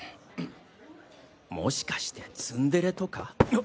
もしかしてツンデレとか？